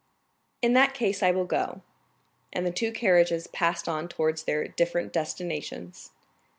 "In that case I will go." And the two carriages passed on towards their different destinations.